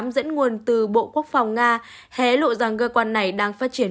dẫn nguồn từ bộ quốc phòng nga hé lộ rằng cơ quan này đang phát triển